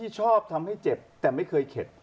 ชอบทำให้เจ็บแต่ไม่เคยเข็ด